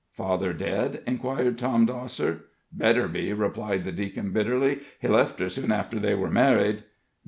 "Father dead?" inquired Tom Dosser. "Better be," replied the deacon, bitterly. "He left her soon after they were married."